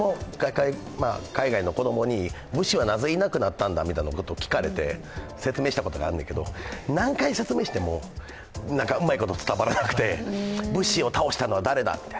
海外の子供に武士はなぜいなくなったのか聞かれて説明したことがあるねんけど、何回説明してもうまいこと伝わらなくて武士を倒したのは誰かと。